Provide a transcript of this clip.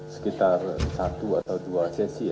sekitar satu atau dua sesi